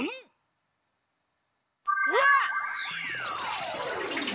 うわっ！